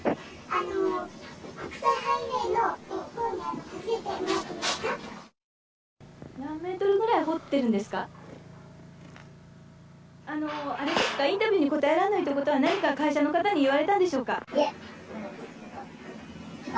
あのー、あれですか、インタビューに答えられないということは、何か会社の方に言われたんでしょうか。